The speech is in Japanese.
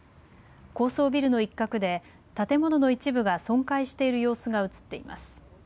高層ビルの一角で建物の一部が損壊している様子がうつっています。